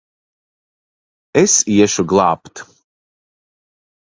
Es iešu glābt!